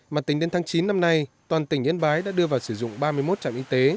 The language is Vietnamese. mà tính đến tháng chín năm nay toàn tỉnh yên bái đã đưa vào sử dụng ba mươi một trạm y tế